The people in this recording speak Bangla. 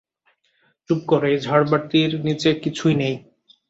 চুপ করো, এই ঝাড়বাতির নিচে কিছুই নেই।